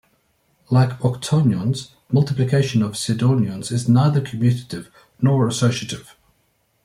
Like octonions, multiplication of sedenions is neither commutative nor associative.